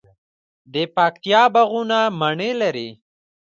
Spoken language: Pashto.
د پکتیا باغونه مڼې لري.